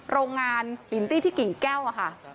โรงงานลินตี้ที่กิ่งแก้วค่ะ